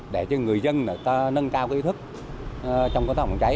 để cho người dân nâng cao ý thức trong phòng cháy